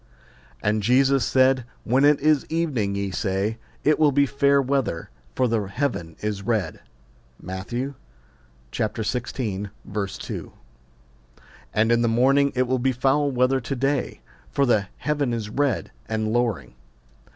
And Jesus said, When it is evening, ye say, It will be fair weather : for the heaven is red. Matt. xvi. 2. And in the morning, It will be foul weather to day : for the heaven is red and lowring.